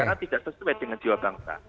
karena tidak sesuai dengan jiwa bangsa